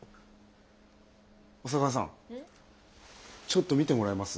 小佐川さんちょっと見てもらえます？